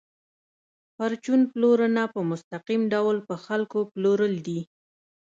پرچون پلورنه په مستقیم ډول په خلکو پلورل دي